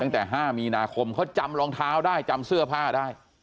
ตั้งแต่๕มีนาคมเขาจำรองเท้าได้จำเสื้อผ้าได้